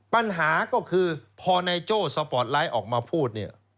ปัญหาก็คือพอในโจทย์สปอร์ตไลน์ออกมาพูด